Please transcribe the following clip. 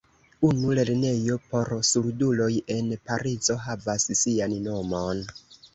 Unu lernejo por surduloj en Parizo havas sian nomon.